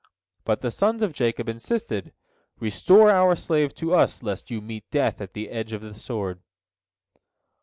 But the sons of Jacob insisted, "Restore our slave to us, lest you meet death at the edge of the sword."